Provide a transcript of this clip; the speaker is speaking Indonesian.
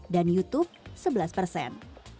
dan youtube sebelas persen